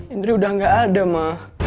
indri udah gak ada mah